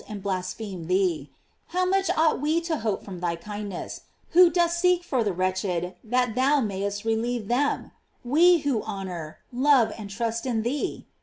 215 tnd blaspheme thee; how much ought we to hope from thy kindness, who dost seek for the wretch ed that thou mayest relieve them! we who hon or, love, and trust in thee!